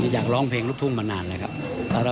อยากร้องเพลงลูกทุ่งมานานแล้วครับ